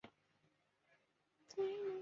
朱家仕率领全家自杀。